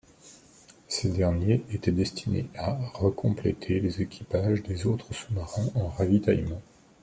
Ces derniers étaient destinés à recompléter les équipages des autres sous-marins en ravitaillement.